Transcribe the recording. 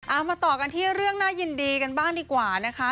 เอามาต่อกันที่เรื่องน่ายินดีกันบ้างดีกว่านะคะ